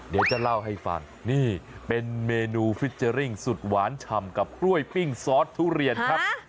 เดี๋ยวจะเล่าให้ฟังนี่เป็นเมนูฟิเจอร์ริ่งสุดหวานฉ่ำกับกล้วยปิ้งซอสทุเรียนครับ